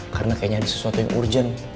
karena kayaknya ada sesuatu yang urgent